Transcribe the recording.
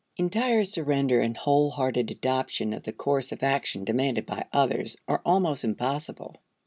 Entire surrender, and wholehearted adoption of the course of action demanded by others are almost impossible.